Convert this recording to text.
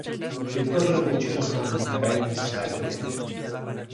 Vytvořil většinu známých medailí své doby.